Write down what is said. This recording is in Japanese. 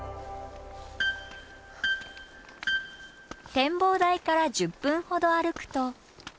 展望台から１０分ほど歩くと。